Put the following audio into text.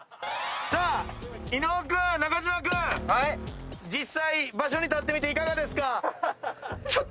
さあ伊野尾君中島君実際場所に立ってみていかがですか？